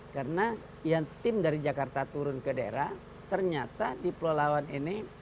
karena tim dari jakarta turun ke daerah ternyata di pelawan ini